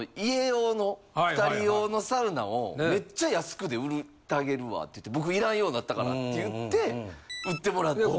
２人用のサウナをめっちゃ安くで売ったげるわって言って僕いらんようになったからって言って売ってもらった。